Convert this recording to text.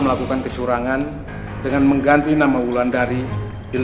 pak kalauoused dengan apa pak ingredients boldits